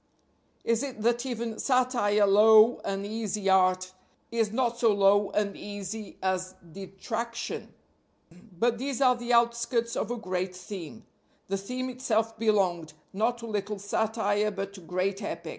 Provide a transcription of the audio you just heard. is it that even Satire, low and easy art, is not so low and easy as Detraction? But these are the outskirts of a great theme. The theme itself belonged, not to little satire, but to great epic.